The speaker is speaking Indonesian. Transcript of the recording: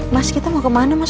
mas kita mau kemana mas